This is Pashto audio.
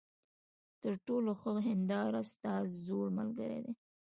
تر ټولو ښه هینداره ستا زوړ ملګری دی.